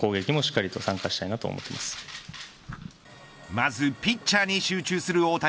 まずピッチャーに集中する大谷。